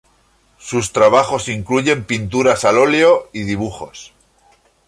Sus trabajos incluyen pinturas al óleo y dibujos.